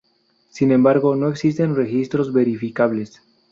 Sin embargo, no existen registros verificables.